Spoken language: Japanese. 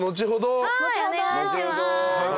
はいお願いします。